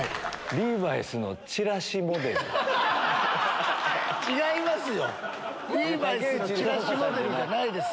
リーバイスのチラシモデルじゃないです！